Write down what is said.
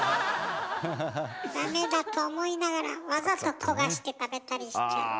ダメだと思いながらわざと焦がして食べたりしちゃう。